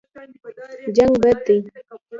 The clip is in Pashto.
جنګ بد دی.